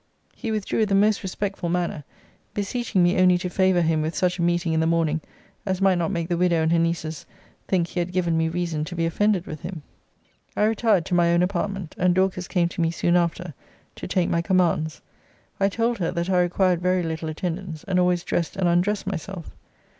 He withdrew in the most respectful manner, beseeching me only to favour him with such a meeting in the morning as might not make the widow and her nieces think he had given me reason to be offended with him. I retired to my own apartment, and Dorcas came to me soon after to take my commands. I told her, that I required very little attendance, and always dressed and undressed myself.